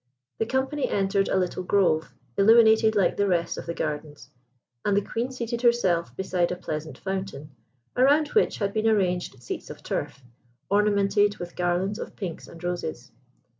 The company entered a little grove, illuminated like the rest of the gardens, and the Queen seated herself beside a pleasant fountain, around which had been arranged seats of turf, ornamented with garlands of pinks and roses.